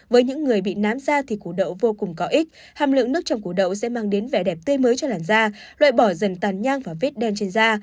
với những người bị nám da thì củ đậu vô cùng có ích hàm lượng nước trong củ đậu sẽ mang đến vẻ đẹp tươi mới cho làn da loại bỏ dần tàn nhang và vết đen trên da